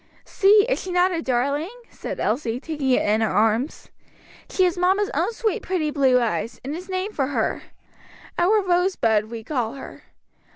"See, is she not a darling?" said Elsie, taking it in her arms. "She has mamma's own sweet pretty blue eyes, and is named for her. Our Rosebud we call her.